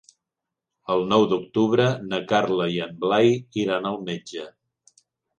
El nou d'octubre na Carla i en Blai iran al metge.